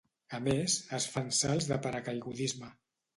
A més, es fan salts de paracaigudisme.